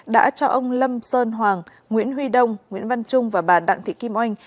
đã cho ông lâm sơn hoàng nguyễn huy đông nguyễn văn trung và bà đặng thị kim oanh